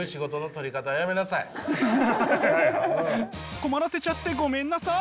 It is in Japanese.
困らせちゃってごめんなさい！